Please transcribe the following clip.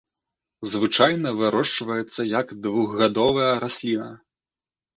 Звычайна вырошчваецца як двухгадовая расліна.